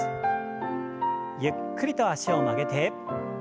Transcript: ゆっくりと脚を曲げて。